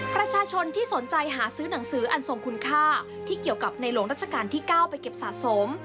ประชาชนที่สนใจหาซื้อหนังสืออันทรงคุณค่าที่เกี่ยวกับในหลวงรัชกาลที่๙ไปเก็บสะสม